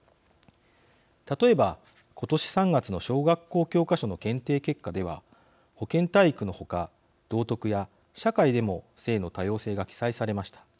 例えば、今年３月の小学校教科書の検定結果では保健体育の他、道徳や社会でも性の多様性が記載されました。